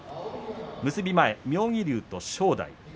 結び前、妙義龍と正代。